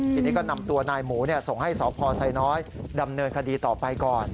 ทีนี้ก็นำตัวนายหมูส่งให้สพไซน้อยดำเนินคดีต่อไปก่อน